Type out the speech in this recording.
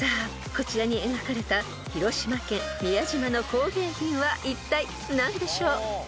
こちらに描かれた広島県宮島の工芸品はいったい何でしょう？］